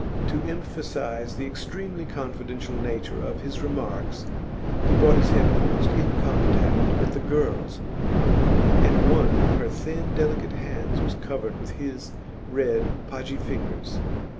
To emphasise the extremely confidential nature of his remarks, he brought his head almost in contact with the girl's, and one of her thin, delicate hands was covered with his red, podgy fingers.